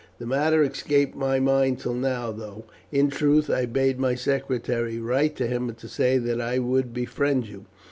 The matter escaped my mind till now, though, in truth, I bade my secretary write to him to say that I would befriend you.